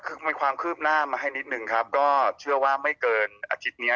คือมีความคืบหน้ามาให้นิดนึงครับก็เชื่อว่าไม่เกินอาทิตย์เนี้ย